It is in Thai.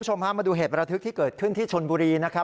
พามาดูเหตุประทึกที่เกิดขึ้นที่ชนบุรีนะครับ